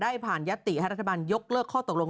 ผ่านยัตติให้รัฐบาลยกเลิกข้อตกลง